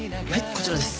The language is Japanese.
こちらです。